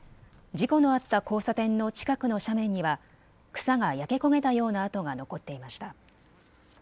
事故のあった交差点の近くの斜面には草が焼け焦げたような跡が残っていました。